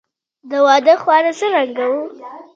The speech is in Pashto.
د واده خواړه څرنګه وو؟